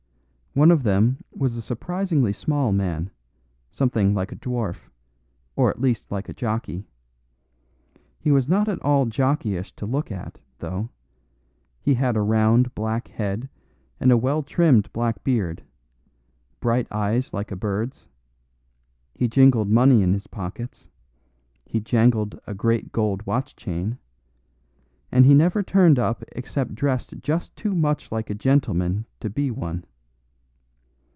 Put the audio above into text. One of them was a surprisingly small man, something like a dwarf, or at least like a jockey. He was not at all jockeyish to look at, though; he had a round black head and a well trimmed black beard, bright eyes like a bird's; he jingled money in his pockets; he jangled a great gold watch chain; and he never turned up except dressed just too much like a gentleman to be one.